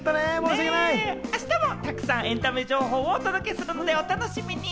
あしたもたくさんエンタメ情報をお届けするのでお楽しみに。